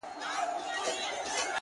زما کور ته چي راسي زه پر کور يمه’